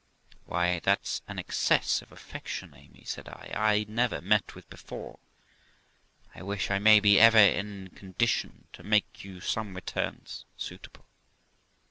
'Why, that's an excess of affection, Amy', said I, 'I never met with before; I wish I may be ever in condition to make you some returns suitable.